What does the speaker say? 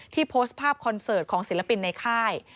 โพสต์ภาพคอนเสิร์ตของศิลปินในค่าย